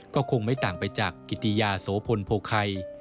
ก็คงไม่ต่างไปจากกิติยาโสพลโพคัย